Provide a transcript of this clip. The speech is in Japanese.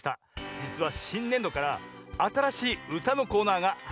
じつはしんねんどからあたらしいうたのコーナーがはじまるんですねぇ。